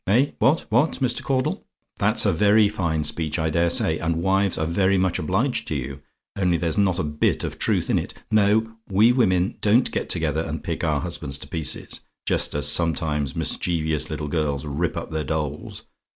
Eh what, what, Mr. Caudle? "That's a very fine speech, I dare say; and wives are very much obliged to you, only there's not a bit of truth in it. No, we women don't get together, and pick our husbands to pieces, just as sometimes mischievous little girls rip up their dolls.